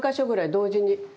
同時に。